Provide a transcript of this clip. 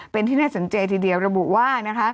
เป็นที่น่าสนใจทีเดียวระบุว่านะคะ